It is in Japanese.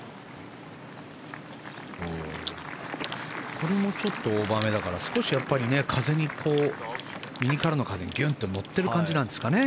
これもちょっとオーバーめだから少しやっぱり右からの風にぎゅんと乗ってる感じですかね。